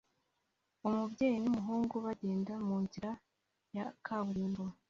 Umubyeyi n'umuhungu bagenda munzira ya kaburimbo